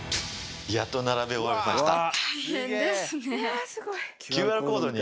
やっと並べ終わりました。